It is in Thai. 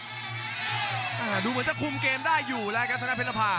ดูเหมือนจะคุมเกมได้อยู่แล้วครับธนาเพชรภา